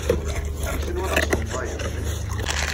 Amek tenwiḍ ad txedmeḍ aya?